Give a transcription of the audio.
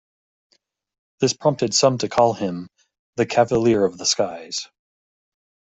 This prompted some to call him, "The Cavalier of the Skies".